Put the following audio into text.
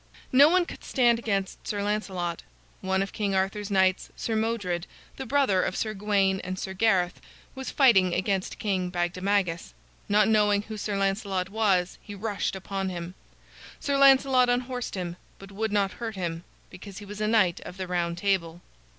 No one could stand against Sir Lancelot. One of King Arthur's knights, Sir Modred, the brother of Sir Gawain and Sir Gareth, was fighting against King Bagdemagus. Not knowing who Sir Lancelot was, he rushed upon him. Sir Lancelot unhorsed him, but would not hurt him, because he was a Knight of the Round Table.